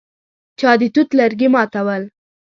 چا د توت لرګي ماتول.